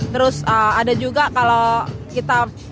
terus ada juga kalau kita